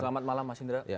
selamat malam mas indra